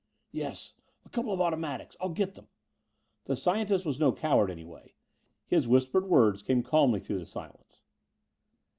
"Yes. A couple of automatics. I'll get them." The scientist was no coward, anyway. His whispered words came calmly through the silence.